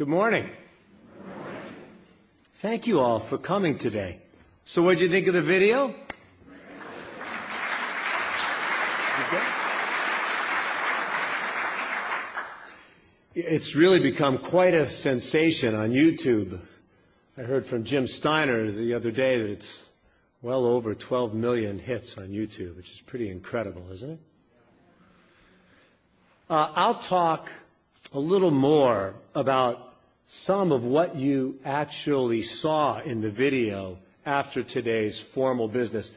Good morning! Thank you all for coming today. What did you think of the video? It's really become quite a sensation on YouTube. I heard from Jim Steiner the other day that it's well over 12 million hits on YouTube, which is pretty incredible, isn't it? I'll talk a little more about some of what you actually saw in the video after today's formal business.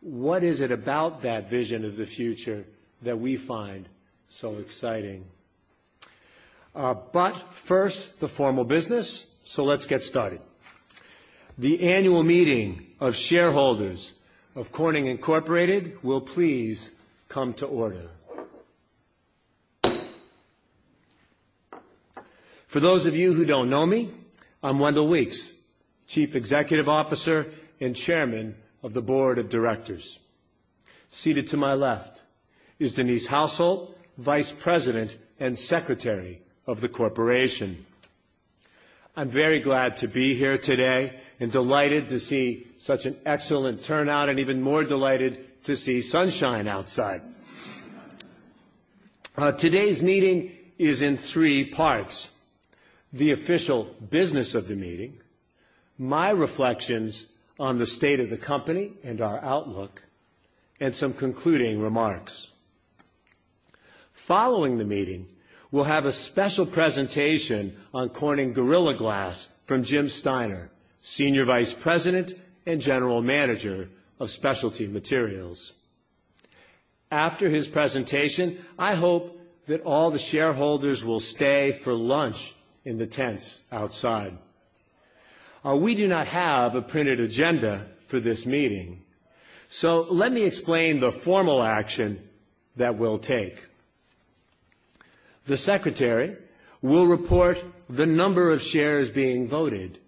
What is it about that vision of the future that we find so exciting? First, the formal business, so let's get started. The annual meeting of shareholders of Corning Incorporated will please come to order. For those of you who don't know me, I'm Wendell Weeks, Chief Executive Officer and Chairman of the Board of Directors. Seated to my left is Denise Hauselt, Vice President and Secretary of the Corporation. I'm very glad to be here today and delighted to see such an excellent turnout and even more delighted to see sunshine outside. Today's meeting is in three parts: the official business of the meeting, my reflections on the state of the company and our outlook, and some concluding remarks. Following the meeting, we'll have a special presentation on Corning Gorilla Glass from Jim Steiner, Senior Vice President and General Manager of Specialty Materials. After his presentation, I hope that all the shareholders will stay for lunch in the tents outside. We do not have a printed agenda for this meeting, so let me explain the formal action that we'll take. The Secretary will report the number of shares being voted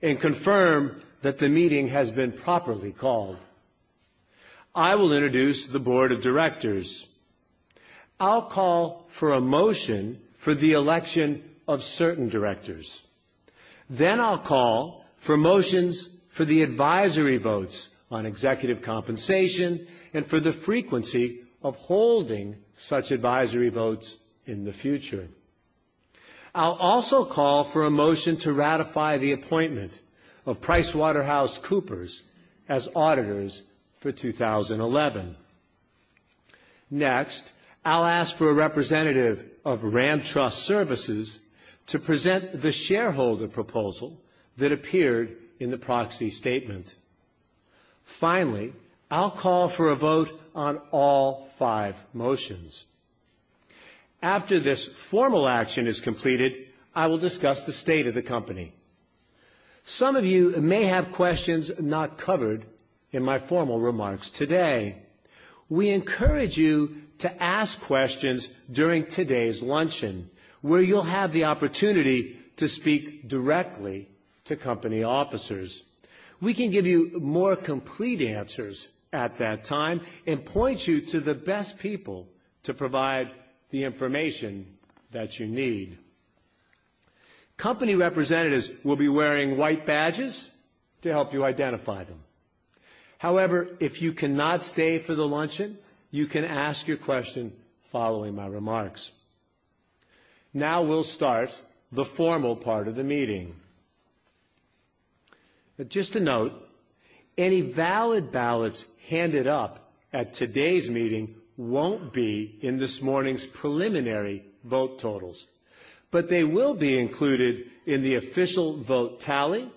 and confirm that the meeting has been properly called. I will introduce the Board of Directors. I'll call for a motion for the election of certain directors. I'll call for motions for the advisory votes on executive compensation and for the frequency of holding such advisory votes in the future. I'll also call for a motion to ratify the appointment of PricewaterhouseCoopers LLP as auditors for 2011. Next, I'll ask for a representative of Ram Trust Services to present the shareholder proposal that appeared in the proxy statement. Finally, I'll call for a vote on all five motions. After this formal action is completed, I will discuss the state of the company. Some of you may have questions not covered in my formal remarks today. We encourage you to ask questions during today's luncheon, where you'll have the opportunity to speak directly to company officers. We can give you more complete answers at that time and point you to the best people to provide the information that you need. Company representatives will be wearing white badges to help you identify them. However, if you cannot stay for the luncheon, you can ask your question following my remarks. Now we'll start the formal part of the meeting. Just a note: any valid ballots handed up at today's meeting won't be in this morning's preliminary vote totals, but they will be included in the official vote tally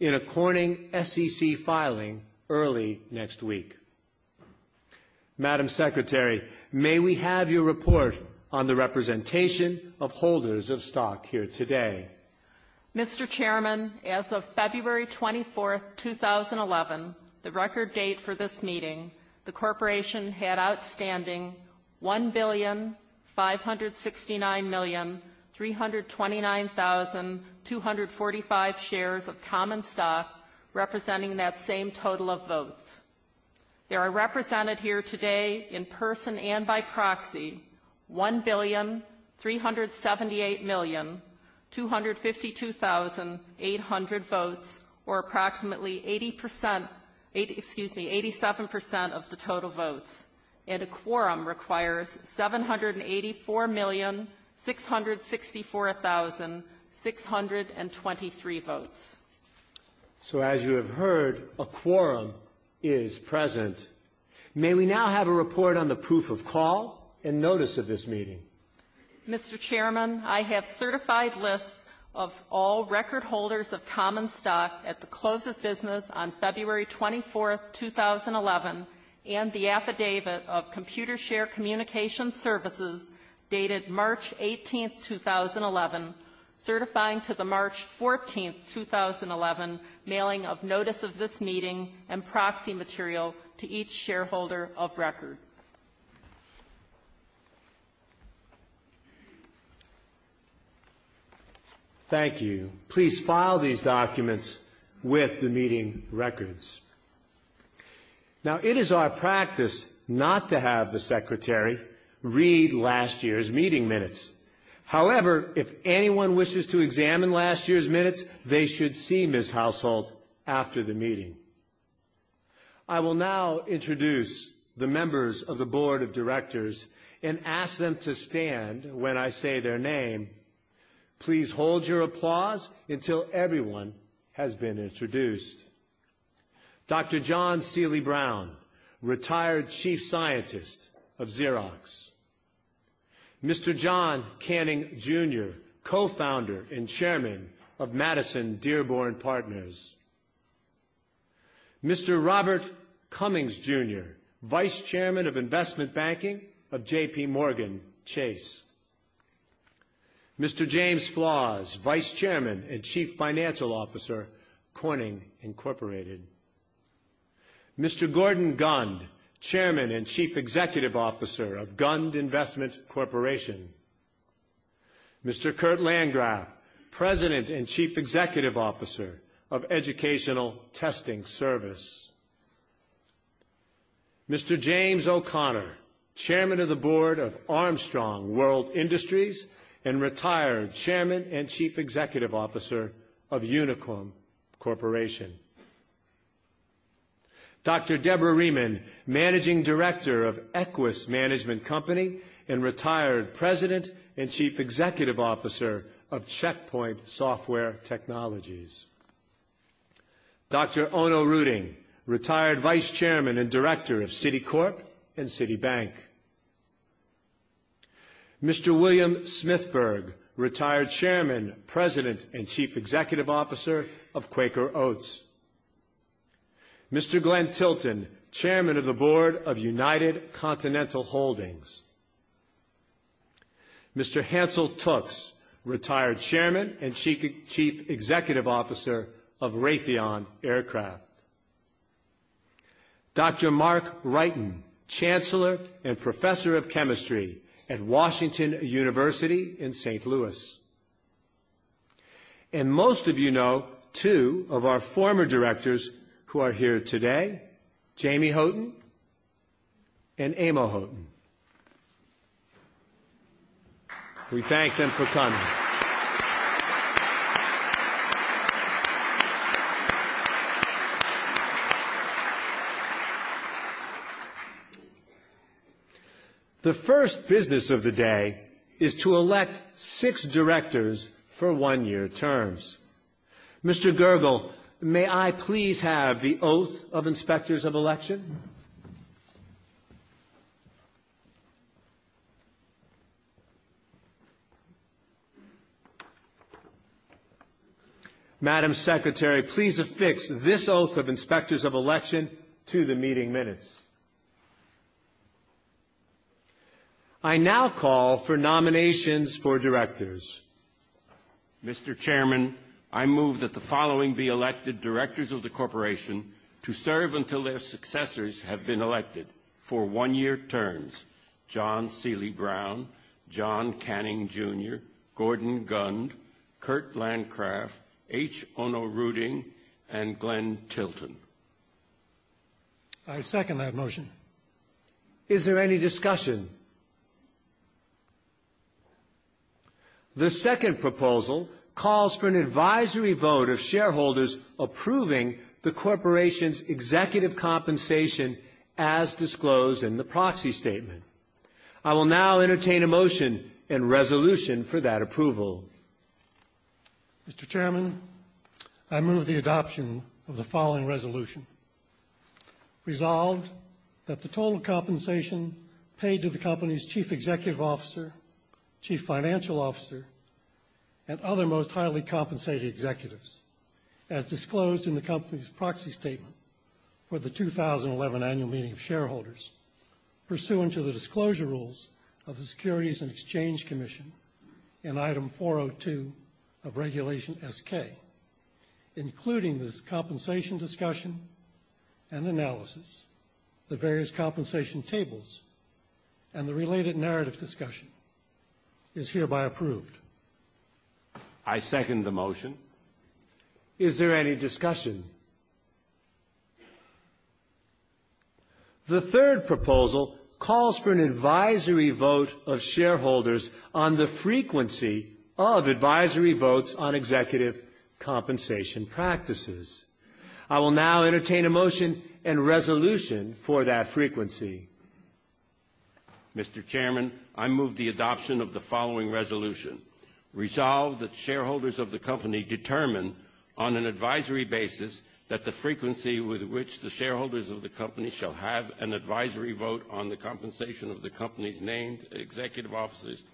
in a Corning SEC filing early next week. Madam Secretary, may we have your report on the representation of holders of stock here today? Mr. Chairman, as of February 24, 2011, the record date for this meeting, the Corporation had outstanding 1,569,329,245 shares of common stock representing that same total of votes. There are represented here today in person and by proxy 1,378,252,800 votes, or approximately 87% of the total votes, and a quorum requires 784,664,623 votes. As you have heard, a quorum is present. May we now have a report on the proof of call and notice of this meeting? Mr. Chairman, I have certified lists of all record holders of common stock at the close of business on February 24, 2011, and the affidavit of Computershare Communication Services dated March 18, 2011, certifying to the March 14, 2011, mailing of notice of this meeting and proxy material to each shareholder of record. Thank you. Please file these documents with the meeting records. Now, it is our practice not to have the Secretary read last year's meeting minutes. However, if anyone wishes to examine last year's minutes, they should see Ms. Hauselt after the meeting. I will now introduce the members of the Board of Directors and ask them to stand when I say their name. Please hold your applause until everyone has been introduced. Dr. John Seely Brown, retired Chief Scientist of Xerox. Mr. John Canning, Jr., Co-Founder and Chairman of Madison Dearborn Partners. Mr. Robert Cummings, Jr., Vice Chairman of Investment Banking of JPMorgan Chase. Mr. James Flaws, Vice Chairman and Chief Financial Officer, Corning Incorporated. Mr. Gordon Gund, Chairman and Chief Executive Officer of Gund Investment Corporation. Mr. Kurt Landgraf, President and Chief Executive Officer of Educational Testing Service. Mr. James O’Connor, Chairman of the Board of Armstrong World Industries and retired Chairman and Chief Executive Officer of Unicom Corporation. Dr. Deborah Rieman, Managing Director of Equus Management Company and retired President and Chief Executive Officer of Check Point Software Technologies. Dr. H. Onno Ruding, retired Vice Chairman and Director of Citicorp and Citibank. Mr. William Smithburg, retired Chairman, President and Chief Executive Officer of Quaker Oats. Mr. Glenn Tilton, Chairman of the Board of United Continental Holdings. Mr. Hansel Tookes II, retired Chairman and Chief Executive Officer of Raytheon Aircraft. Dr. Mark Wrighton, Chancellor and Professor of Chemistry at Washington University in St. Louis. Most of you know two of our former directors who are here today: Jamie Houghton and Amo Houghton. We thank them for coming! The first business of the day is to elect six directors for one-year terms. Mr. Gergel, may I please have the oath of inspectors of election? Madam Secretary, please affix this oath of inspectors of election to the meeting minutes. I now call for nominations for directors. Mr. Chairman, I move that the following be elected directors of the Corporation to serve until their successors have been elected for one-year terms: John Seely Brown, John Canning, Jr., Gordon Gund, Kurt Landgraf, H. Onno Ruding, and Glenn Tilton. I second that motion. Is there any discussion? The second proposal calls for an advisory vote of shareholders approving the Corporation's executive compensation as disclosed in the proxy statement. I will now entertain a motion and resolution for that approval. Mr. Chairman, I move the adoption of the following resolution. Resolve that the total compensation paid to the company's Chief Executive Officer, Chief Financial Officer, and other most highly compensated executives, as disclosed in the company's proxy statement for the 2011 Annual Meeting of Shareholders, pursuant to the disclosure rules of the Securities and Exchange Commission in Item 402 of Regulation S-K, including this compensation discussion and analysis, the various compensation tables, and the related narrative discussion, is hereby approved. I second the motion. Is there any discussion? The third proposal calls for an advisory vote of shareholders on the frequency of advisory votes on executive compensation practices. I will now entertain a motion and resolution for that frequency. Mr. Chairman, I move the adoption of the following resolution. Resolved that shareholders of the company determine on an advisory basis that the frequency with which the shareholders of the company shall have an advisory vote on the compensation of the company's named executive officers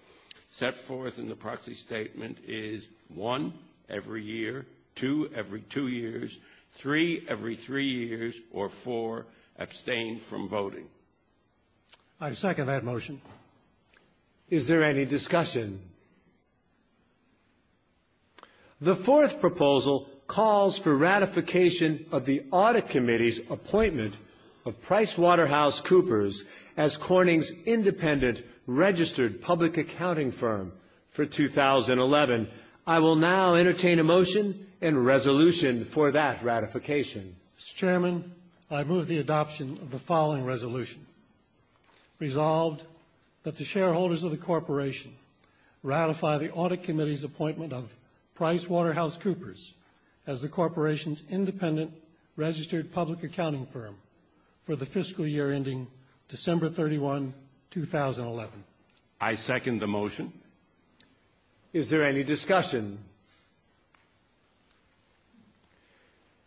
set forth in the proxy statement is: one, every year; two, every two years; three, every three years; or four, abstain from voting. I second that motion. Is there any discussion? The fourth proposal calls for ratification of the Audit Committee's appointment of PricewaterhouseCoopers LLP as Corning Incorporated's independent registered public accounting firm for 2011. I will now entertain a motion and resolution for that ratification. Mr. Chairman, I move the adoption of the following resolution. Resolved, that the shareholders of the Corporation ratify the Audit Committee's appointment of PricewaterhouseCoopers LLP as the Corporation's independent registered public accounting firm for the fiscal year ending December 31, 2011. I second the motion. Is there any discussion?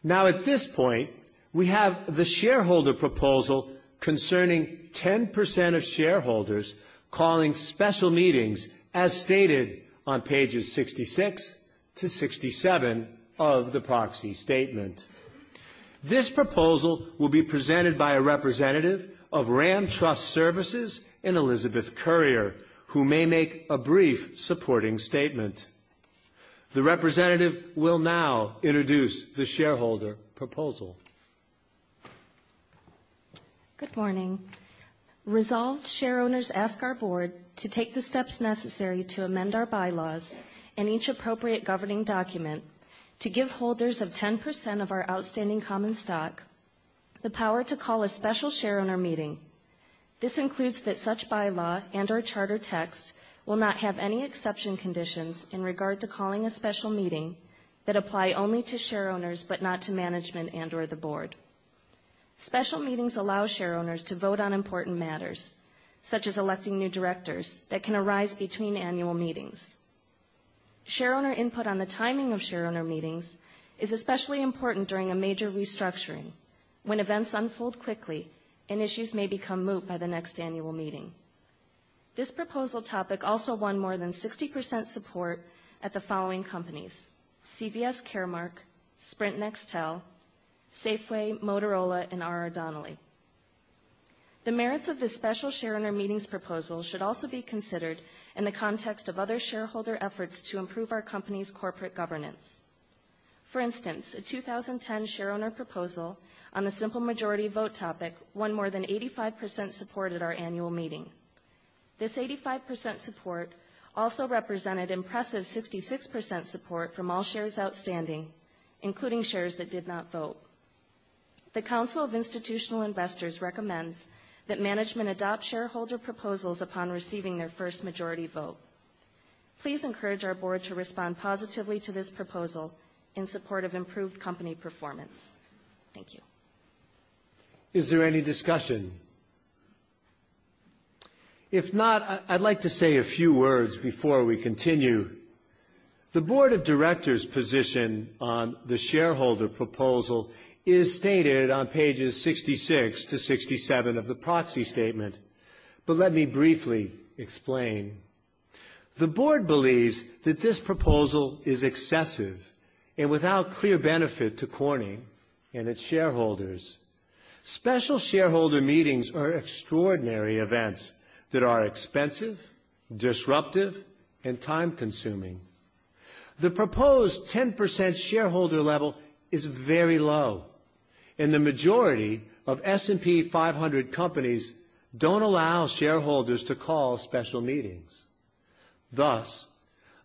At this point, we have the shareholder proposal concerning 10% of shareholders calling special meetings, as stated on pages 66 to 67 of the proxy statement. This proposal will be presented by a representative of Ram Trust Services, Elizabeth Currier, who may make a brief supporting statement. The representative will now introduce the shareholder proposal. Good morning. Resolve shareowners ask our board to take the steps necessary to amend our bylaws and each appropriate governing document to give holders of 10% of our outstanding common stock the power to call a special shareowner meeting. This includes that such bylaw and/or charter text will not have any exception, conditions in regard to calling a special meeting that apply only to shareowners but not to management and/or the board. Special meetings allow shareowners to vote on important matters, such as electing new directors, that can arise between annual meetings. Shareowner input on the timing of shareowner meetings is especially important during a major restructuring, when events unfold quickly and issues may become moot by the next annual meeting. This proposal topic also won more than 60% support at the following companies: CVS Caremark, Sprint Nextel, Safeway, Motorola, and R.R. Donnelley. The merits of this special shareowner meetings proposal should also be considered in the context of other shareholder efforts to improve our company's corporate governance. For instance, a 2010 shareowner proposal on the simple majority vote topic won more than 85% support at our annual meeting. This 85% support also represented impressive 56% support from all shares outstanding, including shares that did not vote. The Council of Institutional Investors recommends that management adopt shareholder proposals upon receiving their first majority vote. Please encourage our board to respond positively to this proposal in support of improved company performance. Thank you. Is there any discussion? If not, I'd like to say a few words before we continue. The Board of Directors' position on the shareholder proposal is stated on pages 66 to 67 of the proxy statement, but let me briefly explain. The Board believes that this proposal is excessive and without clear benefit to Corning and its shareholders. Special shareholder meetings are extraordinary events that are expensive, disruptive, and time-consuming. The proposed 10% shareholder level is very low, and the majority of S&P 500 companies don't allow shareholders to call special meetings. Thus,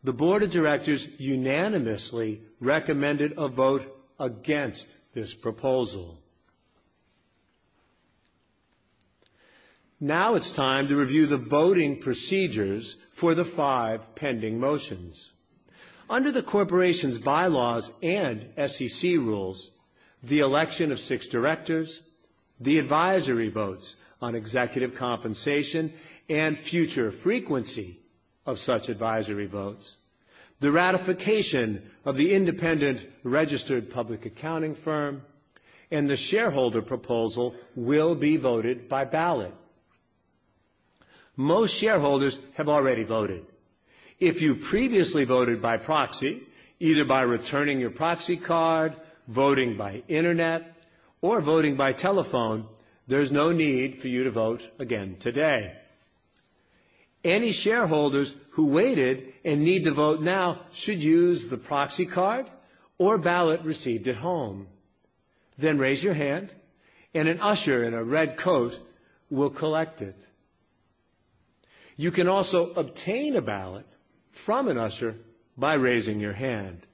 the Board of Directors unanimously recommended a vote against this proposal. Now it's time to review the voting procedures for the five pending motions. Under the Corporation's bylaws and SEC rules, the election of six directors, the advisory votes on executive compensation and future frequency of such advisory votes, the ratification of the independent registered public accounting firm, and the shareholder proposal will be voted by ballot. Most shareholders have already voted. If you previously voted by proxy, either by returning your proxy card, voting by internet, or voting by telephone, there's no need for you to vote again today. Any shareholders who waited and need to vote now should use the proxy card or ballot received at home. Raise your hand, and an usher in a red coat will collect it. You can also obtain a ballot from an usher by raising your hand.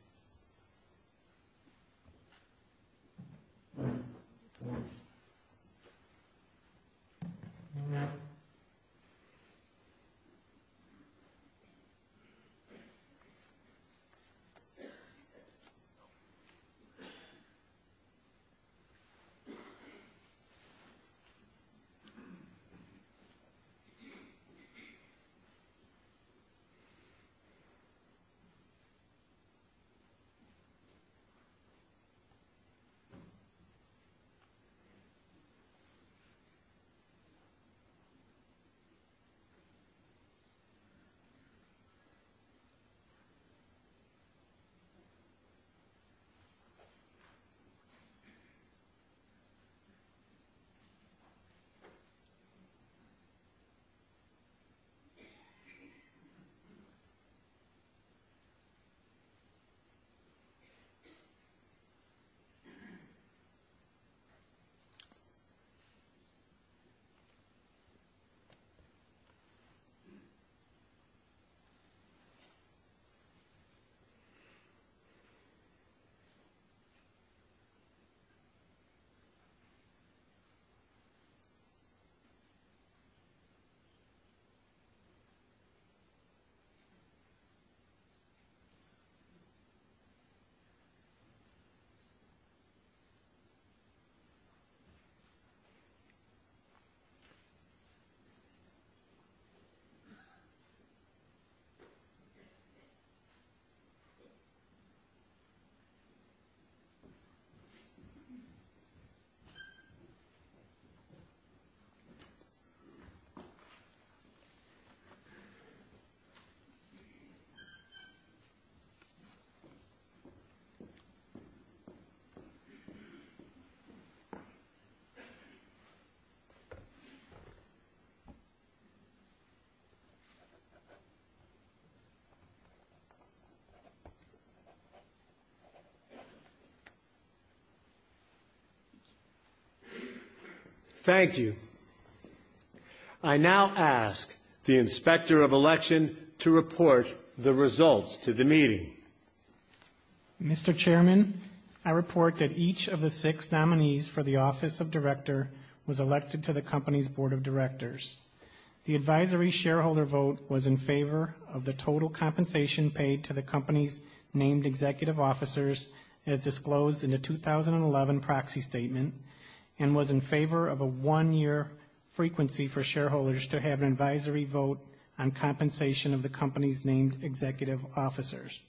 Thank you. I now ask the inspector of election to report the results to the meeting. Mr. Chairman, I report that each of the six nominees for the Office of Director was elected to the company's Board of Directors. The advisory shareholder vote was in favor of the total compensation paid to the company's named executive officers, as disclosed in the 2011 proxy statement, and was in favor of a one-year frequency for shareholders to have an advisory vote on compensation of the company's named executive officers.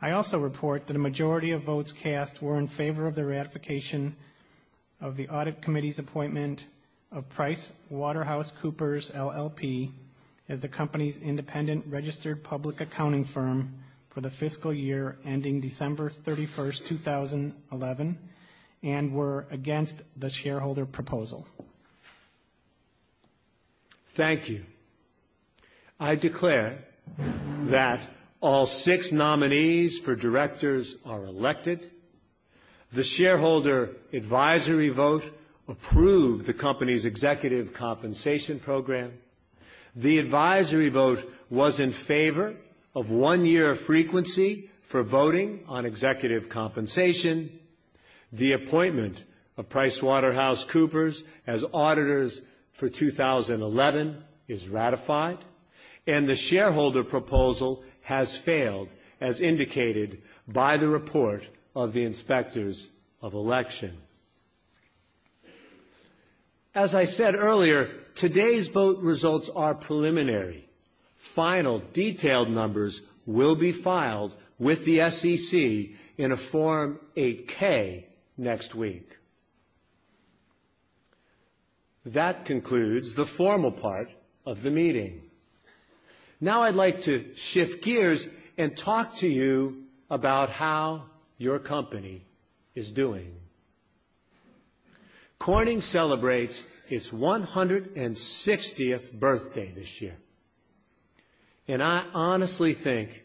I also report that a majority of votes cast were in favor of the ratification of the Audit Committee's appointment of PricewaterhouseCoopers LLP as the company's independent registered public accounting firm for the fiscal year ending December 31, 2011, and were against the shareholder proposal. Thank you. I declare that all six nominees for directors are elected. The shareholder advisory vote approved the company's executive compensation program. The advisory vote was in favor of one-year frequency for voting on executive compensation. The appointment of PricewaterhouseCoopers LLP as auditors for 2011 is ratified, and the shareholder proposal has failed, as indicated by the report of the inspectors of election. As I said earlier, today's vote results are preliminary. Final detailed numbers will be filed with the SEC in a Form 8-K next week. That concludes the formal part of the meeting. Now I'd like to shift gears and talk to you about how your company is doing. Corning Incorporated celebrates its 160th birthday this year, and I honestly think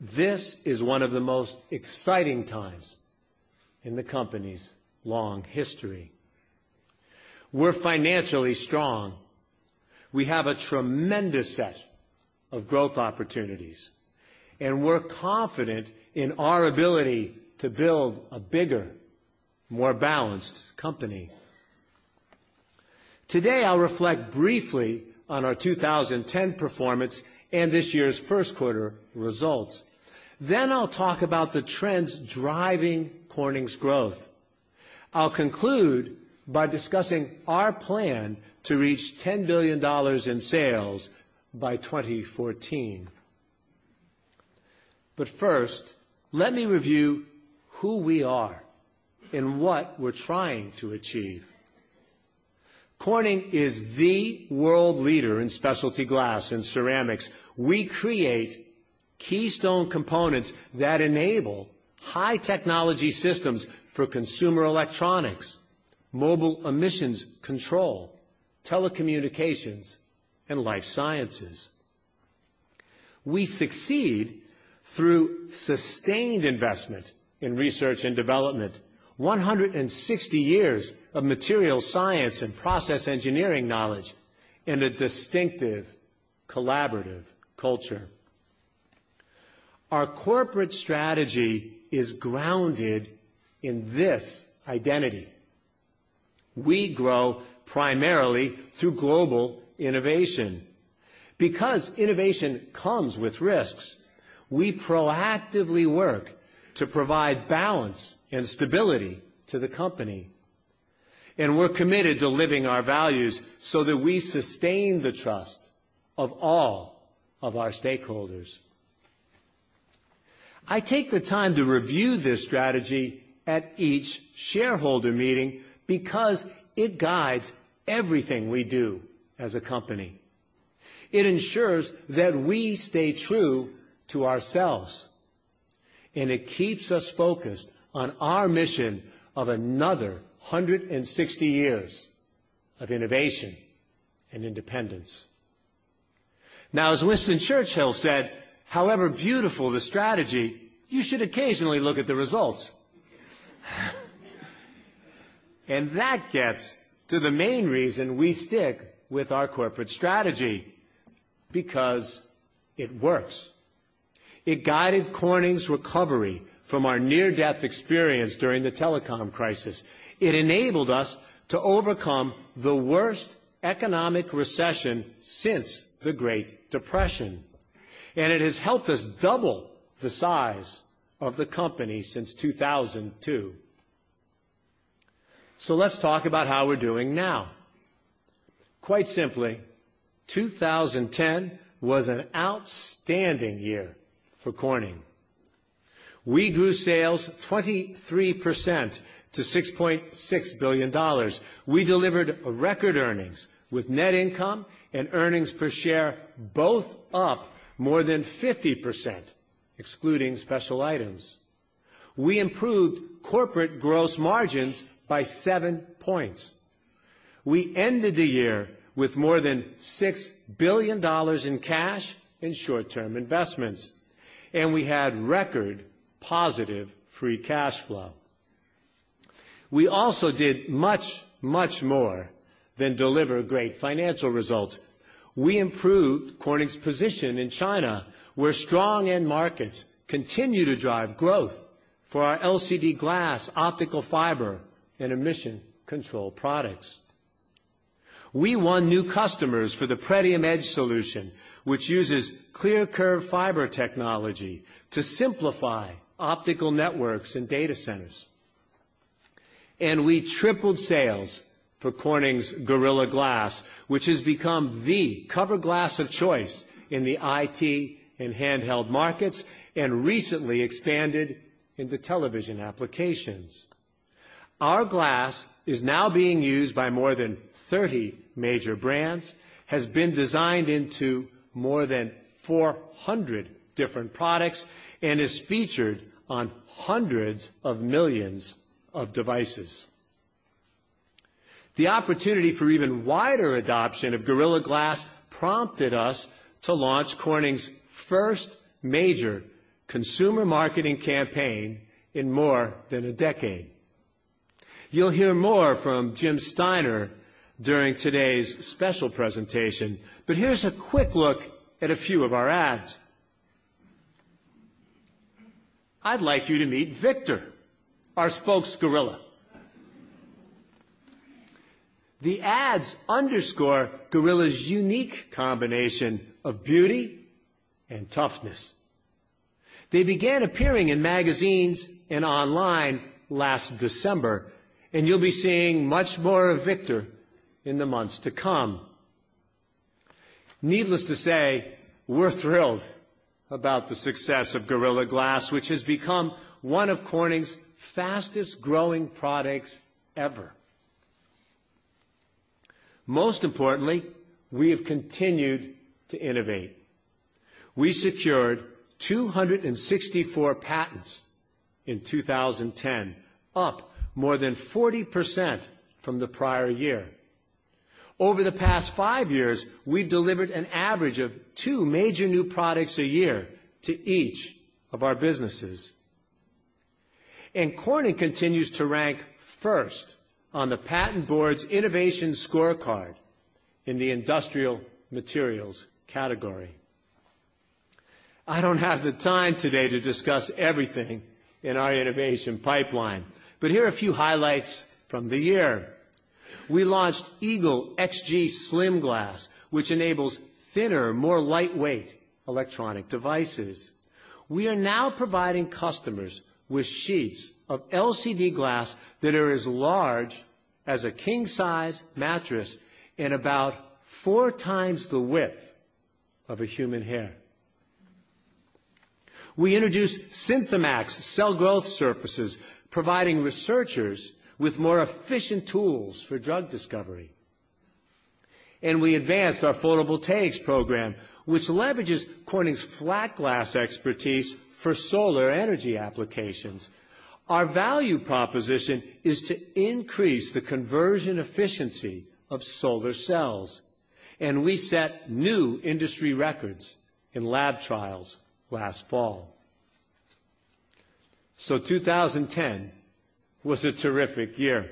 this is one of the most exciting times in the company's long history. We're financially strong. We have a tremendous set of growth opportunities, and we're confident in our ability to build a bigger, more balanced company. Today, I'll reflect briefly on our 2010 performance and this year's first quarter results. I'll talk about the trends driving Corning's growth. I'll conclude by discussing our plan to reach $10 billion in sales by 2014. First, let me review who we are and what we're trying to achieve. Corning Incorporated is the world leader in specialty glass and ceramics. We create keystone components that enable high-technology systems for consumer electronics, mobile emissions control, telecommunications, and life sciences. We succeed through sustained investment in R&D, 160 years of material science and process engineering knowledge, and a distinctive collaborative culture. Our corporate strategy is grounded in this identity. We grow primarily through global innovation. Because innovation comes with risks, we proactively work to provide balance and stability to the company, and we're committed to living our values so that we sustain the trust of all of our stakeholders. I take the time to review this strategy at each shareholder meeting because it guides everything we do as a company. It ensures that we stay true to ourselves, and it keeps us focused on our mission of another 160 years of innovation and independence. As Winston Churchill said, however beautiful the strategy, you should occasionally look at the results. That gets to the main reason we stick with our corporate strategy: because it works. It guided Corning Incorporated's recovery from our near-death experience during the telecom crisis. It enabled us to overcome the worst economic recession since the Great Depression, and it has helped us double the size of the company since 2002. Let's talk about how we're doing now. Quite simply, 2010 was an outstanding year for Corning Incorporated. We grew sales 23% to $6.6 billion. We delivered record earnings with net income and earnings per share both up more than 50%, excluding special items. We improved corporate gross margins by seven points. We ended the year with more than $6 billion in cash and short-term investments, and we had record positive free cash flow. We also did much, much more than deliver great financial results. We improved Corning's position in China, where strong end markets continue to drive growth for our LCD glass, optical fiber, and emission control products. We won new customers for the Pretium EDGE solution, which uses clear curved fiber technology to simplify optical networks and data centers. We tripled sales for Corning Gorilla Glass, which has become the cover glass of choice in the IT and handheld markets and recently expanded into television applications. Our glass is now being used by more than 30 major brands, has been designed into more than 400 different products, and is featured on hundreds of millions of devices. The opportunity for even wider adoption of Gorilla Glass prompted us to launch Corning's first major consumer marketing campaign in more than a decade. You'll hear more from Jim Steiner during today's special presentation, but here's a quick look at a few of our ads. I'd like you to meet Victor, our spokes gorilla. The ads underscore Gorilla's unique combination of beauty and toughness. They began appearing in magazines and online last December, and you'll be seeing much more of Victor in the months to come. Needless to say, we're thrilled about the success of Gorilla Glass, which has become one of Corning's fastest-growing products ever. Most importantly, we have continued to innovate. We secured 264 patents in 2010, up more than 40% from the prior year. Over the past five years, we delivered an average of two major new products a year to each of our businesses. Corning continues to rank first on the Patent Board's Innovation Scorecard in the Industrial Materials category. I don't have the time today to discuss everything in our innovation pipeline, but here are a few highlights from the year. We launched Eagle XG Slim Glass, which enables thinner, more lightweight electronic devices. We are now providing customers with sheets of LCD glass that are as large as a king-size mattress and about four times the width of a human hair. We introduced Synthemax cell growth surfaces, providing researchers with more efficient tools for drug discovery. We advanced our photovoltaics program, which leverages Corning's flat glass expertise for solar energy applications. Our value proposition is to increase the conversion efficiency of solar cells, and we set new industry records in lab trials last fall. The year 2010 was a terrific year.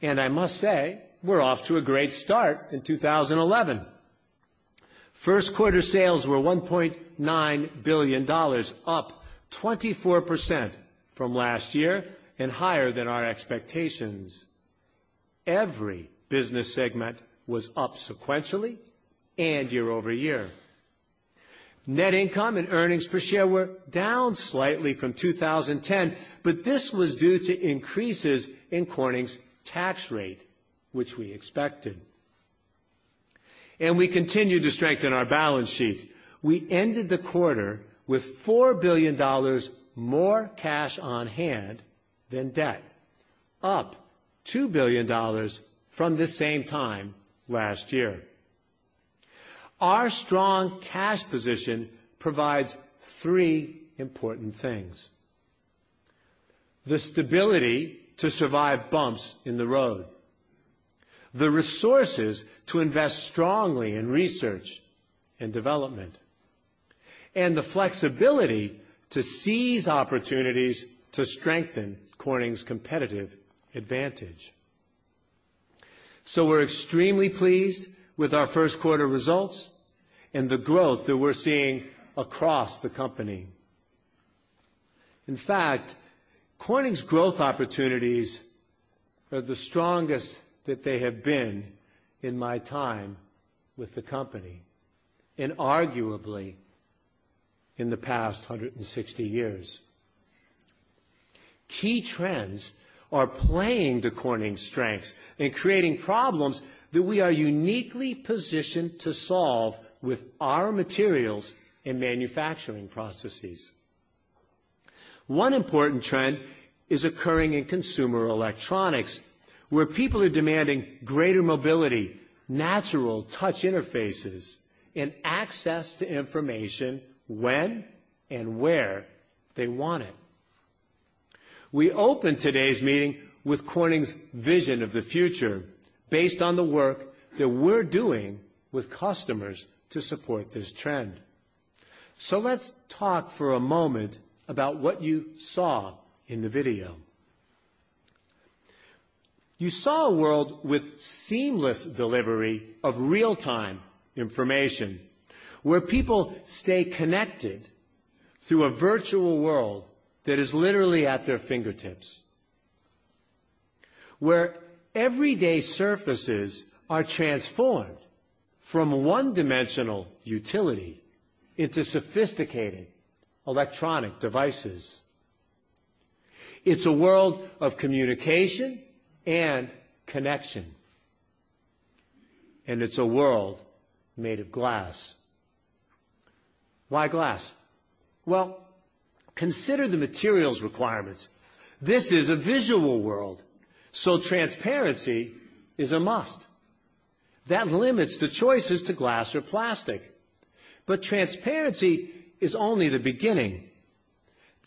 I must say, we're off to a great start in 2011. First quarter sales were $1.9 billion, up 24% from last year and higher than our expectations. Every business segment was up sequentially and year over year. Net income and earnings per share were down slightly from 2010, but this was due to increases in Corning's tax rate, which we expected. We continued to strengthen our balance sheet. We ended the quarter with $4 billion more cash on hand than debt, up $2 billion from the same time last year. Our strong cash position provides three important things: the stability to survive bumps in the road, the resources to invest strongly in research and development, and the flexibility to seize opportunities to strengthen Corning's competitive advantage. We're extremely pleased with our first quarter results and the growth that we're seeing across the company. In fact, Corning's growth opportunities are the strongest that they have been in my time with the company and arguably in the past 160 years. Key trends are playing to Corning's strengths and creating problems that we are uniquely positioned to solve with our materials and manufacturing processes. One important trend is occurring in consumer electronics, where people are demanding greater mobility, natural touch interfaces, and access to information when and where they want it. We opened today's meeting with Corning's vision of the future based on the work that we're doing with customers to support this trend. Let's talk for a moment about what you saw in the video. You saw a world with seamless delivery of real-time information, where people stay connected through a virtual world that is literally at their fingertips, where everyday surfaces are transformed from one-dimensional utility into sophisticated electronic devices. It's a world of communication and connection. It's a world made of glass. Why glass? Consider the materials requirements. This is a visual world, so transparency is a must. That limits the choices to glass or plastic. However, transparency is only the beginning.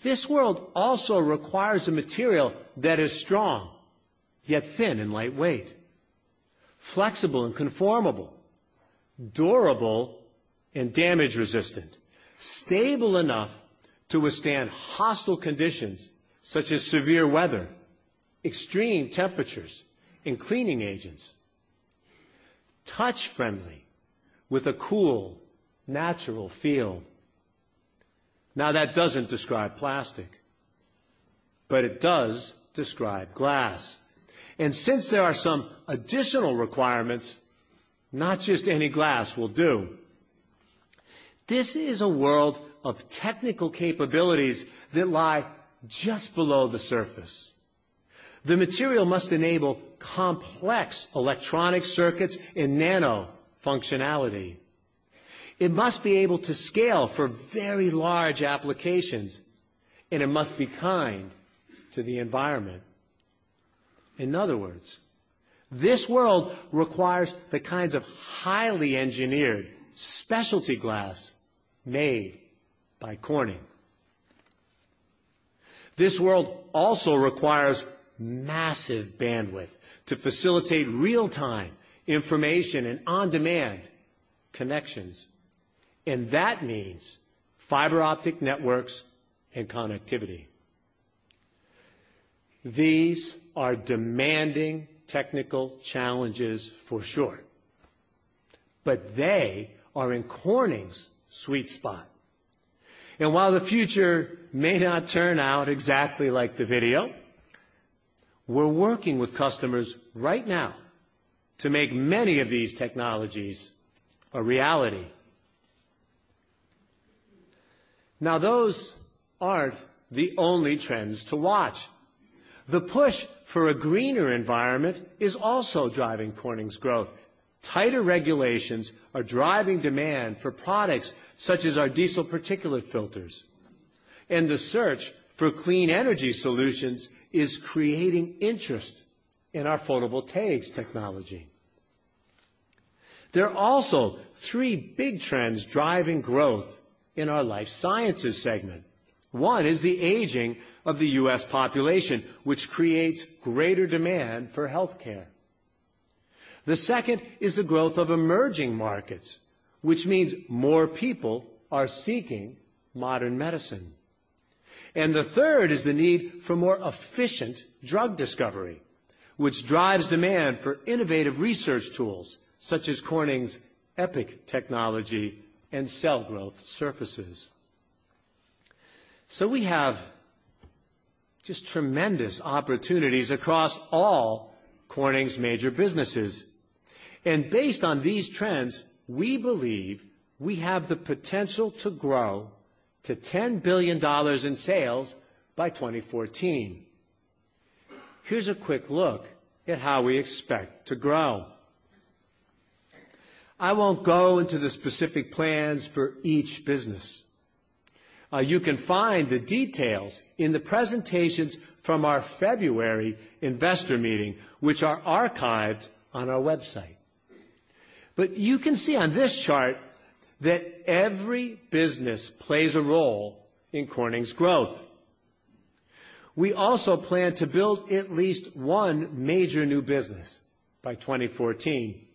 This world also requires a material that is strong, yet thin and lightweight, flexible and conformable, durable and damage-resistant, stable enough to withstand hostile conditions such as severe weather, extreme temperatures, and cleaning agents, touch-friendly with a cool, natural feel. Now, that doesn't describe plastic, but it does describe glass. Since there are some additional requirements, not just any glass will do. This is a world of technical capabilities that lie just below the surface. The material must enable complex electronic circuits and nano functionality. It must be able to scale for very large applications, and it must be kind to the environment. In other words, this world requires the kinds of highly engineered specialty glass made by Corning. This world also requires massive bandwidth to facilitate real-time information and on-demand connections, and that means fiber optic networks and connectivity. These are demanding technical challenges for sure, but they are in Corning's sweet spot. While the future may not turn out exactly like the video, we're working with customers right now to make many of these technologies a reality. Now, those aren't the only trends to watch. The push for a greener environment is also driving Corning's growth. Tighter regulations are driving demand for products such as our diesel particulate filters, and the search for clean energy solutions is creating interest in our photovoltaics technology. There are also three big trends driving growth in our life sciences segment. One is the aging of the U.S. population, which creates greater demand for health care. The second is the growth of emerging markets, which means more people are seeking modern medicine. The third is the need for more efficient drug discovery, which drives demand for innovative research tools such as Corning's EPIC technology and cell growth surfaces. We have just tremendous opportunities across all Corning's major businesses. Based on these trends, we believe we have the potential to grow to $10 billion in sales by 2014. Here's a quick look at how we expect to grow. I won't go into the specific plans for each business. You can find the details in the presentations from our February investor meeting, which are archived on our website. You can see on this chart that every business plays a role in Corning's growth. We also plan to build at least one major new business by 2014.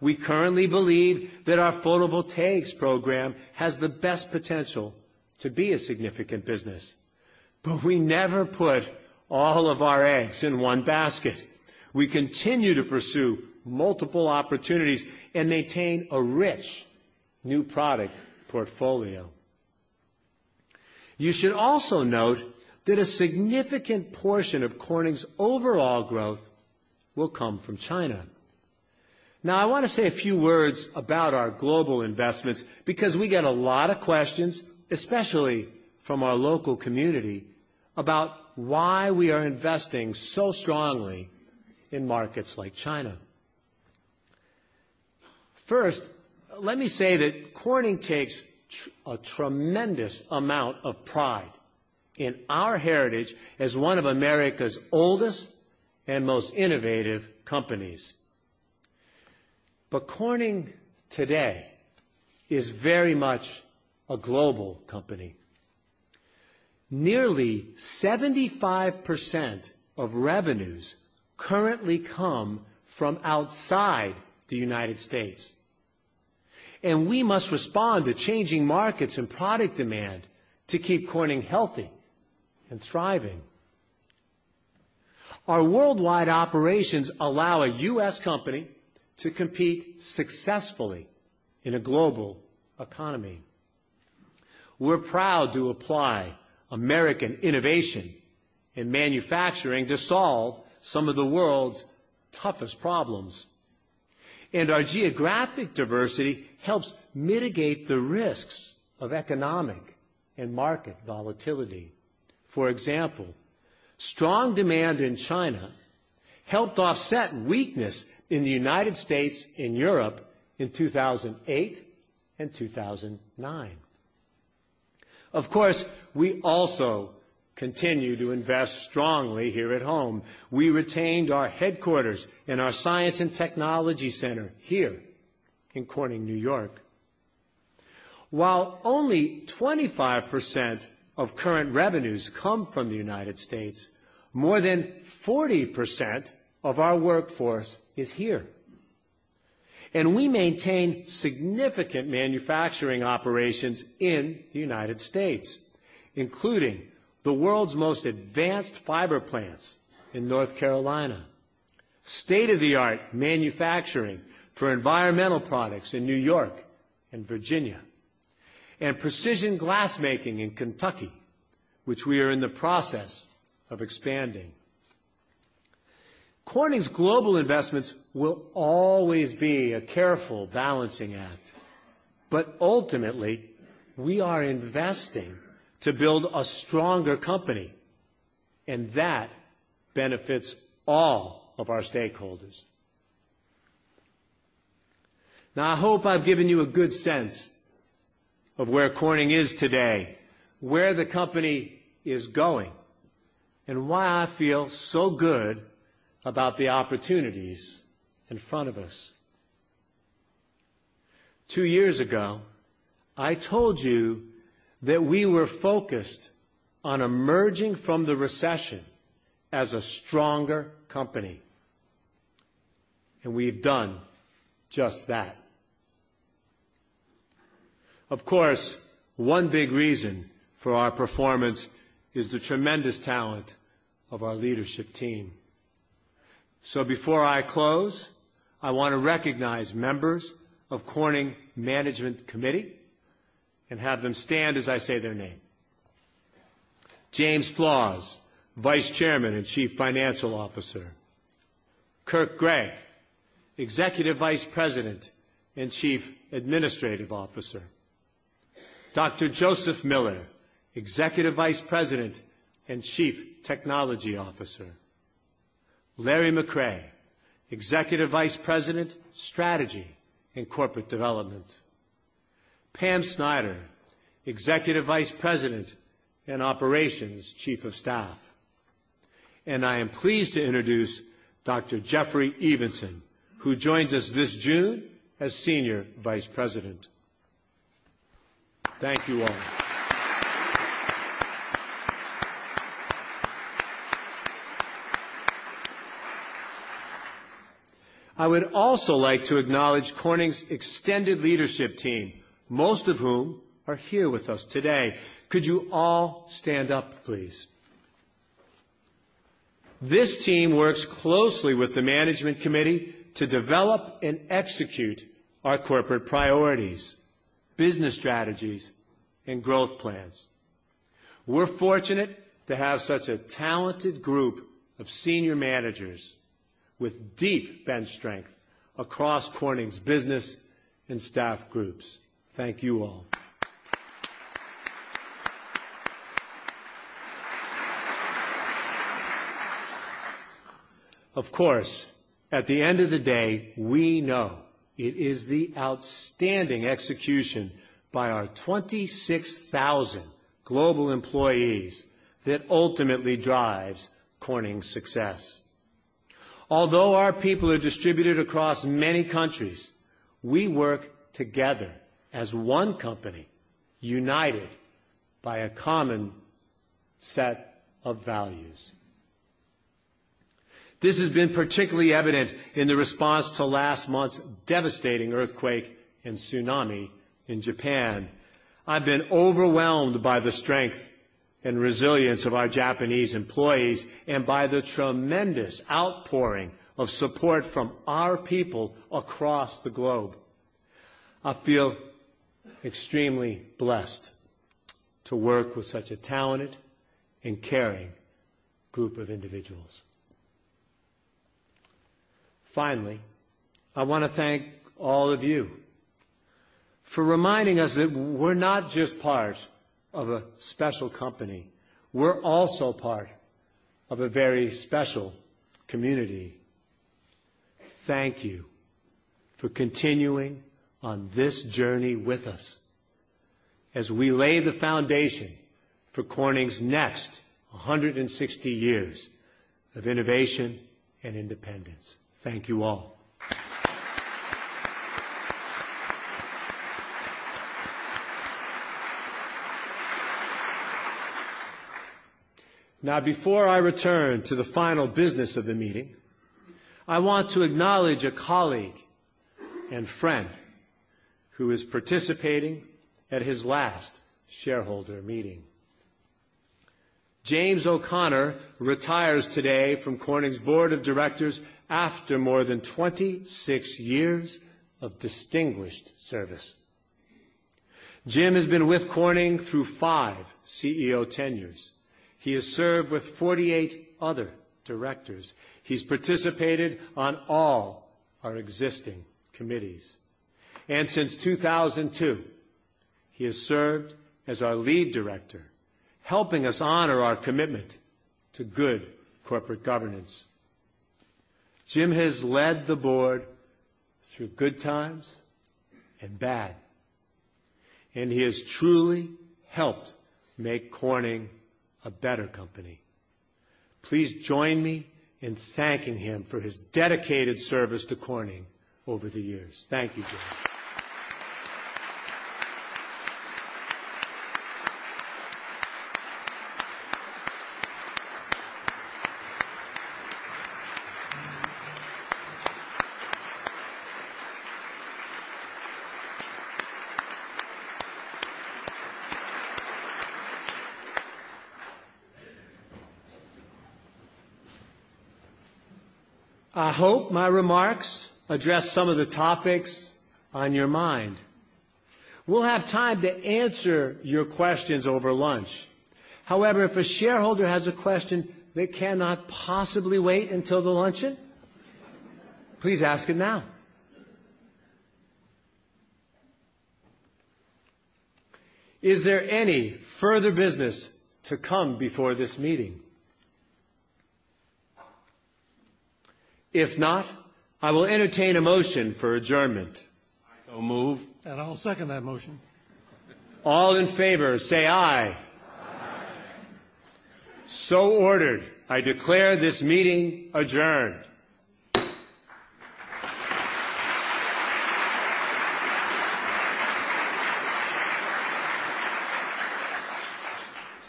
We currently believe that our photovoltaics program has the best potential to be a significant business, but we never put all of our eggs in one basket. We continue to pursue multiple opportunities and maintain a rich new product portfolio. You should also note that a significant portion of Corning's overall growth will come from China. I want to say a few words about our global investments because we get a lot of questions, especially from our local community, about why we are investing so strongly in markets like China. First, let me say that Corning takes a tremendous amount of pride in our heritage as one of America's oldest and most innovative companies. Corning today is very much a global company. Nearly 75% of revenues currently come from outside the United States. We must respond to changing markets and product demand to keep Corning healthy and thriving. Our worldwide operations allow a U.S. company to compete successfully in a global economy. We're proud to apply American innovation and manufacturing to solve some of the world's toughest problems. Our geographic diversity helps mitigate the risks of economic and market volatility. For example, strong demand in China helped offset weakness in the United States and Europe in 2008 and 2009. We also continue to invest strongly here at home. We retained our headquarters and our science and technology center here in Corning, New York. While only 25% of current revenues come from the United States, more than 40% of our workforce is here. We maintain significant manufacturing operations in the United States, including the world's most advanced fiber plants in North Carolina, state-of-the-art manufacturing for environmental products in New York and Virginia, and precision glass making in Kentucky, which we are in the process of expanding. Corning's global investments will always be a careful balancing act. Ultimately, we are investing to build a stronger company, and that benefits all of our stakeholders. I hope I've given you a good sense of where Corning is today, where the company is going, and why I feel so good about the opportunities in front of us. Two years ago, I told you that we were focused on emerging from the recession as a stronger company. We've done just that. Of course, one big reason for our performance is the tremendous talent of our leadership team. Before I close, I want to recognize members of Corning's Management Committee and have them stand as I say their name. James Flaws, Vice Chairman and Chief Financial Officer. Kirk Gregg, Executive Vice President and Chief Administrative Officer. Dr. Joseph Miller, Executive Vice President and Chief Technology Officer. Larry McCray, Executive Vice President, Strategy and Corporate Development. Pam Snyder, Executive Vice President and Operations Chief of Staff. I am pleased to introduce Dr. Jeffrey Evenson, who joins us this June as Senior Vice President. Thank you all. I would also like to acknowledge Corning's extended leadership team, most of whom are here with us today. Could you all stand up, please? This team works closely with the Management Committee to develop and execute our corporate priorities, business strategies, and growth plans. We're fortunate to have such a talented group of senior managers with deep bench strength across Corning's business and staff groups. Thank you all. At the end of the day, we know it is the outstanding execution by our 26,000 global employees that ultimately drives Corning's success. Although our people are distributed across many countries, we work together as one company, united by a common set of values. This has been particularly evident in the response to last month's devastating earthquake and tsunami in Japan. I've been overwhelmed by the strength and resilience of our Japanese employees and by the tremendous outpouring of support from our people across the globe. I feel extremely blessed to work with such a talented and caring group of individuals. Finally, I want to thank all of you for reminding us that we're not just part of a special company. We're also part of a very special community. Thank you for continuing on this journey with us as we lay the foundation for Corning's next 160 years of innovation and independence. Thank you all. Now, before I return to the final business of the meeting, I want to acknowledge a colleague and friend who is participating at his last shareholder meeting. James O’Connor retires today from Corning's Board of Directors after more than 26 years of distinguished service. Jim has been with Corning through five CEO tenures. He has served with 48 other directors. He's participated on all our existing committees. Since 2002, he has served as our Lead Director, helping us honor our commitment to good corporate governance. Jim has led the Board through good times and bad, and he has truly helped make Corning a better company. Please join me in thanking him for his dedicated service to Corning over the years. Thank you, Jim. I hope my remarks address some of the topics on your mind. We'll have time to answer your questions over lunch. However, if a shareholder has a question that cannot possibly wait until the luncheon, please ask it now. Is there any further business to come before this meeting? If not, I will entertain a motion for adjournment. I'll move. I'll second that motion. All in favor, say aye. So ordered, I declare this meeting adjourned.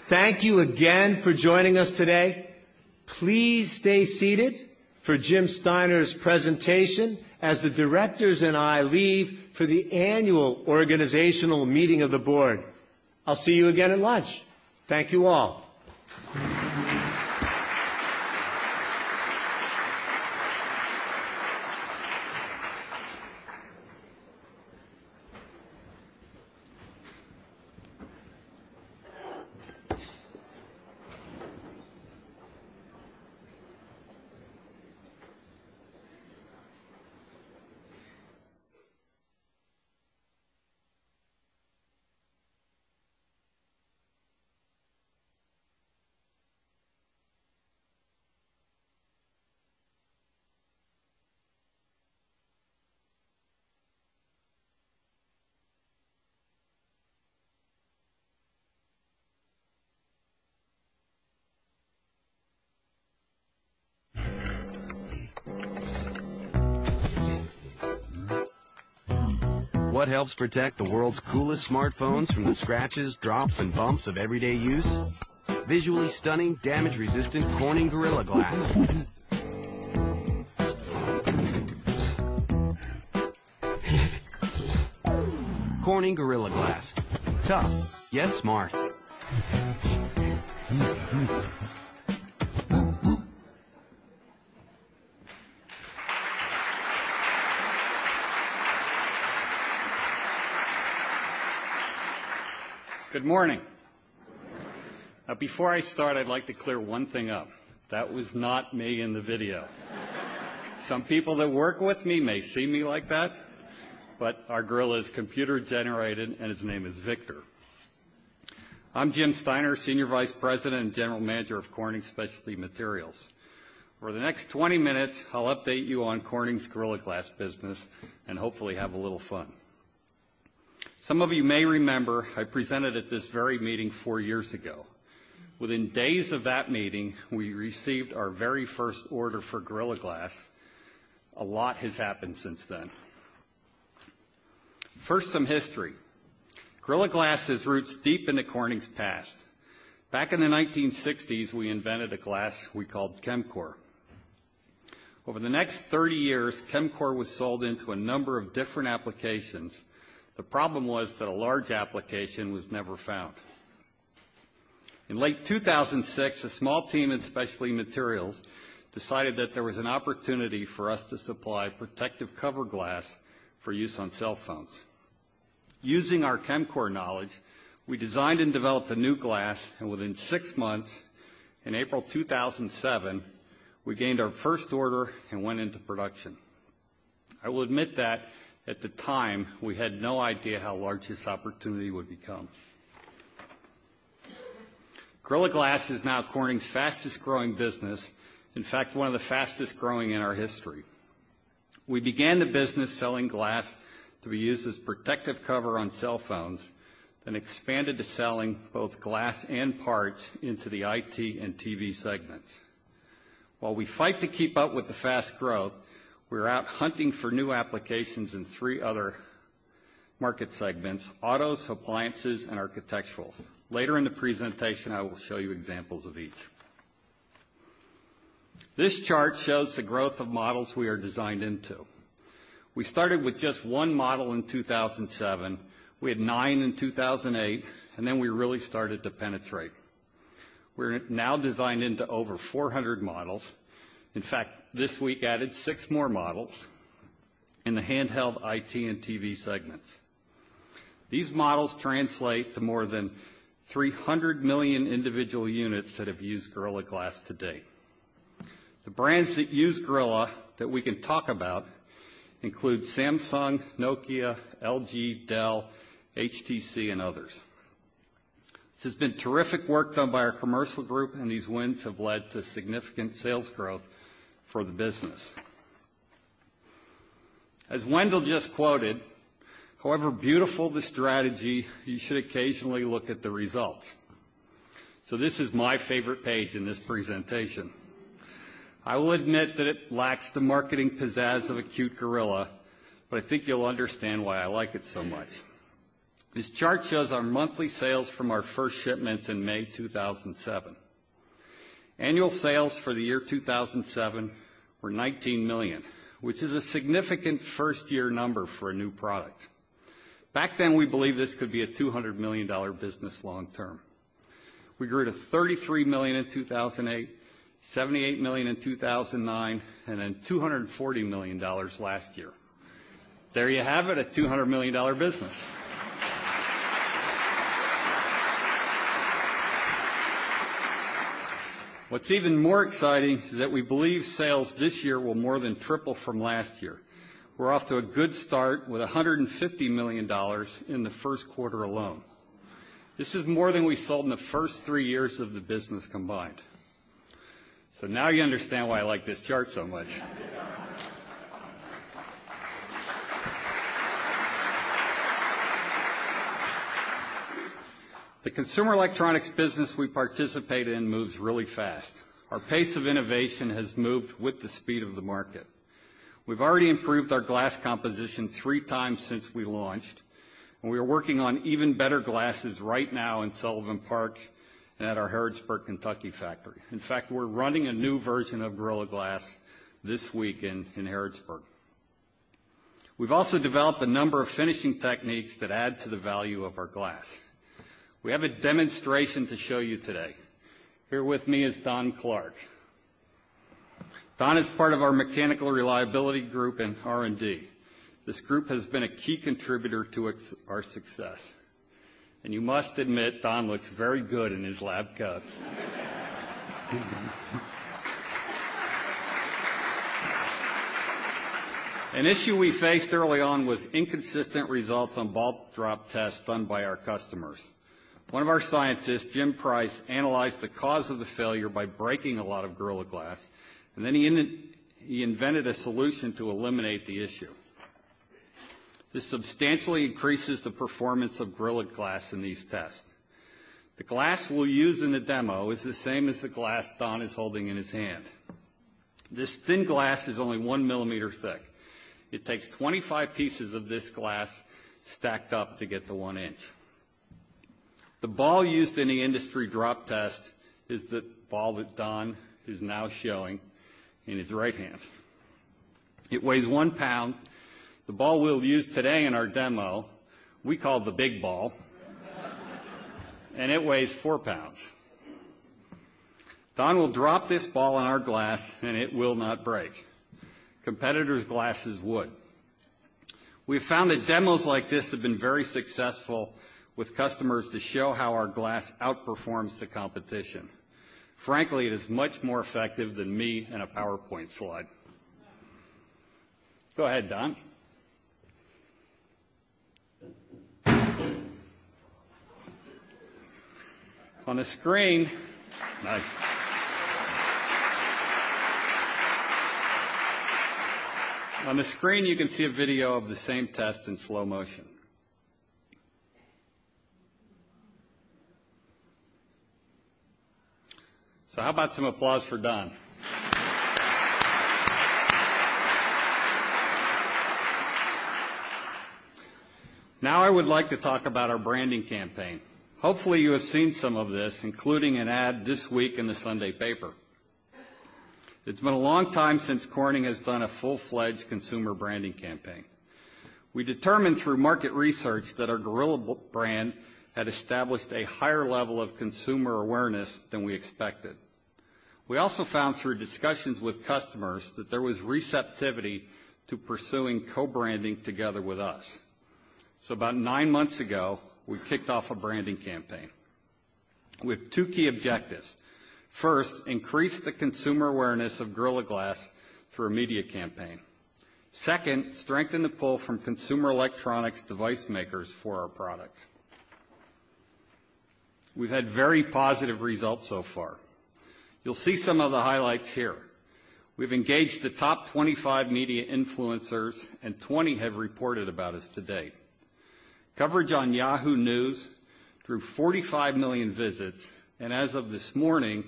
Thank you again for joining us today. Please stay seated for Jim Steiner's presentation as the Directors and I leave for the annual organizational meeting of the Board. I'll see you again at lunch. Thank you all. What helps protect the world's coolest smartphones from the scratches, drops, and bumps of everyday use? Visually stunning, damage-resistant Corning Gorilla Glass. Corning Gorilla Glass. So. Yes, smart. Good morning. Before I start, I'd like to clear one thing up. That was not me in the video. Some people that work with me may see me like that, but our gorilla is computer-generated and his name is Victor. I'm Jim Steiner, Senior Vice President and General Manager of Corning Specialty Materials. Over the next 20 minutes, I'll update you on Corning's Gorilla Glass business and hopefully have a little fun. Some of you may remember I presented at this very meeting four years ago. Within days of that meeting, we received our very first order for Gorilla Glass. A lot has happened since then. First, some history. Gorilla Glass has roots deep into Corning's past. Back in the 1960s, we invented a glass we called Chemcor. Over the next 30 years, Chemcor was sold into a number of different applications. The problem was that a large application was never found. In late 2006, a small team in Specialty Materials decided that there was an opportunity for us to supply protective cover glass for use on cell phones. Using our Chemcor knowledge, we designed and developed a new glass, and within six months, in April 2007, we gained our first order and went into production. I will admit that at the time, we had no idea how large this opportunity would become. Gorilla Glass is now Corning's fastest-growing business, in fact, one of the fastest-growing in our history. We began the business selling glass that we use as protective cover on cell phones, then expanded to selling both glass and parts into the IT and TV segments. While we fight to keep up with the fast growth, we're out hunting for new applications in three other market segments: autos, appliances, and architectural. Later in the presentation, I will show you examples of each. This chart shows the growth of models we are designed into. We started with just one model in 2007. We had nine in 2008, and then we really started to penetrate. We're now designed into over 400 models. In fact, this week added six more models in the handheld IT and TV segments. These models translate to more than 300 million individual units that have used Gorilla Glass to date. The brands that use Gorilla that we can talk about include Samsung, Nokia, LG, Dell, HTC, and others. This has been terrific work done by our commercial group, and these wins have led to significant sales growth for the business. As Wendell just quoted, however beautiful the strategy, you should occasionally look at the results. This is my favorite page in this presentation. I will admit that it lacks the marketing pizzazz of a cute gorilla, but I think you'll understand why I like it so much. This chart shows our monthly sales from our first shipments in May 2007. Annual sales for the year 2007 were $19 million, which is a significant first-year number for a new product. Back then, we believed this could be a $200 million business long term. We grew to $33 million in 2008, $78 million in 2009, and then $240 million last year. There you have it, a $200 million business. What's even more exciting is that we believe sales this year will more than triple from last year. We're off to a good start with $150 million in the first quarter alone. This is more than we sold in the first three years of the business combined. Now you understand why I like this chart so much. The consumer electronics business we participate in moves really fast. Our pace of innovation has moved with the speed of the market. We've already improved our glass composition three times since we launched, and we are working on even better glasses right now in Sullivan Park and at our Harrisburg, Kentucky factory. In fact, we're running a new version of Corning Gorilla Glass this week in Harrisburg. We've also developed a number of finishing techniques that add to the value of our glass. We have a demonstration to show you today. Here with me is Don Clarke. Don is part of our Mechanical Reliability group in R&D. This group has been a key contributor to our success. You must admit, Don looks very good in his lab coat. An issue we faced early on was inconsistent results on ball drop tests done by our customers. One of our scientists, Jim Price, analyzed the cause of the failure by breaking a lot of Corning Gorilla Glass, and then he invented a solution to eliminate the issue. This substantially increases the performance of Corning Gorilla Glass in these tests. The glass we'll use in the demo is the same as the glass Don is holding in his hand. This thin glass is only one millimeter thick. It takes 25 pieces of this glass stacked up to get to one inch. The ball used in the industry drop test is the ball that Don is now showing in his right hand. It weighs one pound. The ball we'll use today in our demo, we call the big ball, and it weighs four pounds. Don will drop this ball on our glass, and it will not break. Competitors' glasses would. We've found that demos like this have been very successful with customers to show how our glass outperforms the competition. Frankly, it is much more effective than me and a PowerPoint slide. Go ahead, Don. On the screen, you can see a video of the same test in slow motion. How about some applause for Don? Now I would like to talk about our branding campaign. Hopefully, you have seen some of this, including an ad this week in the Sunday paper. It's been a long time since Corning Incorporated has done a full-fledged consumer branding campaign. We determined through market research that our Gorilla brand had established a higher level of consumer awareness than we expected. We also found through discussions with customers that there was receptivity to pursuing co-branding together with us. About nine months ago, we kicked off a branding campaign with two key objectives. First, increase the consumer awareness of Gorilla Glass for a media campaign. Second, strengthen the pull from consumer electronics device makers for our product. We've had very positive results so far. You'll see some of the highlights here. We've engaged the top 25 media influencers, and 20 have reported about us to date. Coverage on Yahoo News drew 45 million visits, and as of this morning,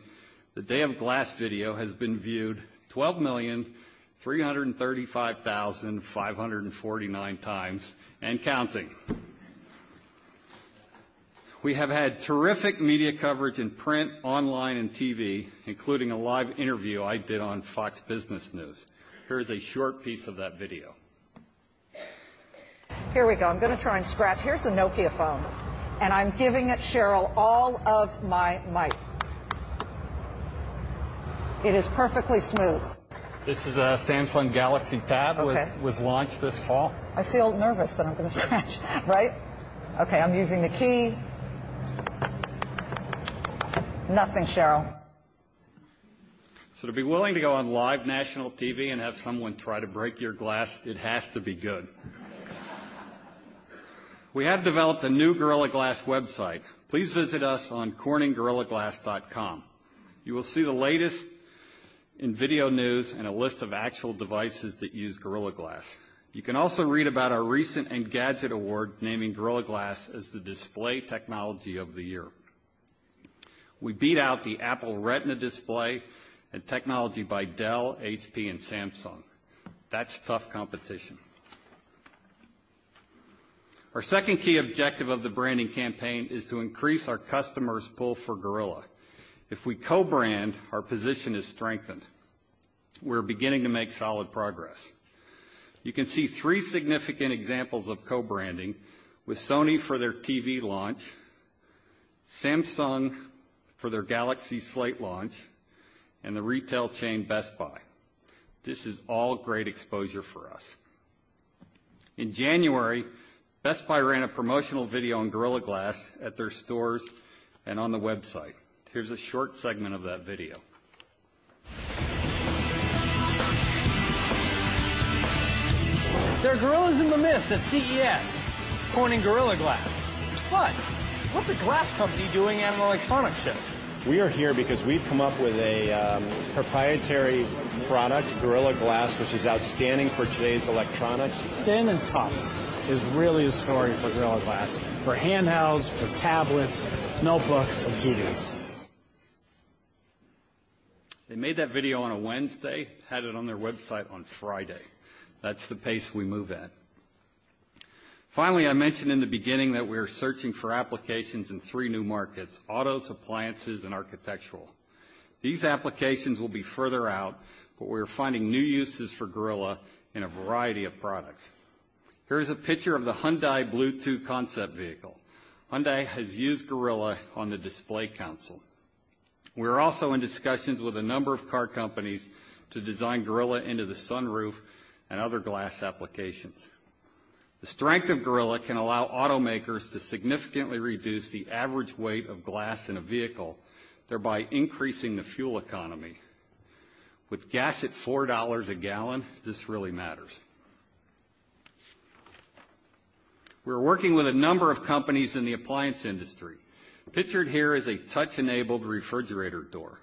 the Day of Glass video has been viewed 12,335,549 times and counting. We have had terrific media coverage in print, online, and TV, including a live interview I did on Fox Business News. Here's a short piece of that video. Here we go. I'm going to try and scratch. Here's a Nokia phone, and I'm giving it, Cheryl, all of my might. It is perfectly smooth. This is a Samsung Galaxy Tab. It was launched this fall. I feel nervous that I'm going to scratch, right? Okay, I'm using the key. Nothing, Cheryl. To be willing to go on live national TV and have someone try to break your glass, it has to be good. We have developed a new Gorilla Glass website. Please visit us on corninggorillaglass.com. You will see the latest in video news and a list of actual devices that use Gorilla Glass. You can also read about our recent Engadget Award, naming Gorilla Glass as the Display Technology of the Year. We beat out the Apple Retina Display and technology by Dell, HP, and Samsung. That's tough competition. Our second key objective of the branding campaign is to increase our customers' pull for Gorilla. If we co-brand, our position is strengthened. We're beginning to make solid progress. You can see three significant examples of co-branding with Sony for their TV launch, Samsung for their Galaxy Slate launch, and the retail chain Best Buy. This is all great exposure for us. In January, Best Buy ran a promotional video on Gorilla Glass at their stores and on the website. Here's a short segment of that video. There are gorillas in the mist at CES, Corning Gorilla Glass. What? What's a glass company doing at an electronics show? We are here because we've come up with a proprietary product, Corning Gorilla Glass, which is outstanding for today's electronics. Standing top is really a story for Corning Gorilla Glass, for handhelds, for tablets, notebooks, and TVs. They made that video on a Wednesday, had it on their website on Friday. That's the pace we move at. Finally, I mentioned in the beginning that we are searching for applications in three new markets: autos, appliances, and architectural. These applications will be further out, but we are finding new uses for Gorilla in a variety of products. Here's a picture of the Hyundai Bluetooth concept vehicle. Hyundai has used Gorilla on the display console. We are also in discussions with a number of car companies to design Gorilla into the sunroof and other glass applications. The strength of Gorilla can allow automakers to significantly reduce the average weight of glass in a vehicle, thereby increasing the fuel economy. With gas at $4 a gallon, this really matters. We are working with a number of companies in the appliance industry. Pictured here is a touch-enabled refrigerator door.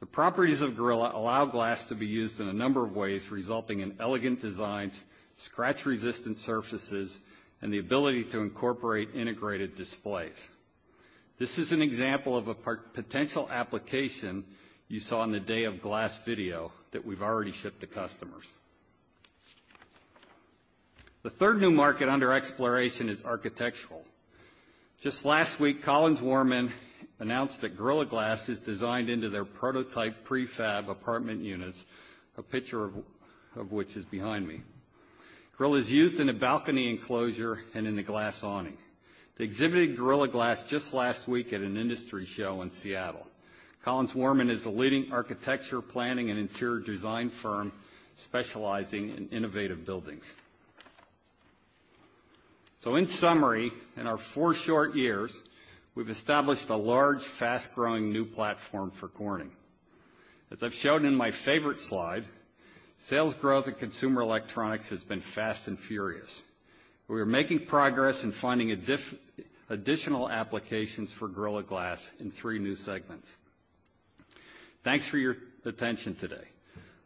The properties of Gorilla allow glass to be used in a number of ways, resulting in elegant designs, scratch-resistant surfaces, and the ability to incorporate integrated displays. This is an example of a potential application you saw in the Day of Glass video that we've already shipped to customers. The third new market under exploration is architectural. Just last week, Collins Waerman announced that Gorilla Glass is designed into their prototype prefab apartment units, a picture of which is behind me. Gorilla is used in a balcony enclosure and in the glass awning. They exhibited Gorilla Glass just last week at an industry show in Seattle. CollinsWaerman is a leading architecture planning and interior design firm specializing in innovative buildings. In summary, in our four short years, we've established a large, fast-growing new platform for Corning. As I've shown in my favorite slide, sales growth in consumer electronics has been fast and furious. We are making progress in finding additional applications for Gorilla Glass in three new segments. Thanks for your attention today.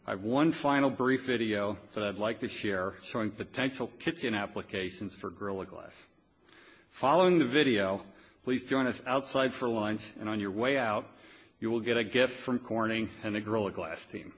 I have one final brief video that I'd like to share showing potential kitchen applications for Gorilla Glass. Following the video, please join us outside for lunch, and on your way out, you will get a gift from Corning and the Gorilla Glass team.